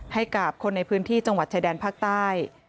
ให้กับคนในพื้นที่จังหวัดชายแดนภาคใต้